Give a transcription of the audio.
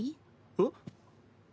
えっ？